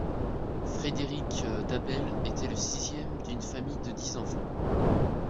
Frédéric d’Abel était le sixième d’une famille de dix enfants.